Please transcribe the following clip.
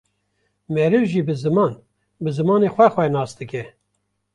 Meriv jî bi ziman, bi zimanê xwe xwe nas dike